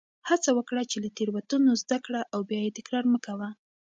هڅه وکړه چې له تېروتنو زده کړه او بیا یې تکرار مه کوه.